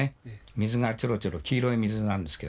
水がチョロチョロ黄色い水なんですけどね。